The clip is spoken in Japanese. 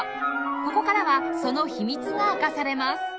ここからはその秘密が明かされます